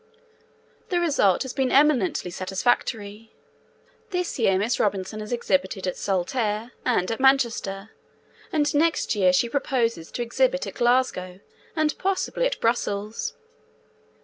The result has been eminently satisfactory. This year Miss Robinson has exhibited at Saltaire and at Manchester, and next year she proposes to exhibit at Glasgow, and, possibly, at Brussels.